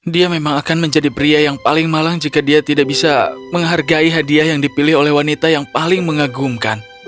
dia memang akan menjadi pria yang paling malang jika dia tidak bisa menghargai hadiah yang dipilih oleh wanita yang paling mengagumkan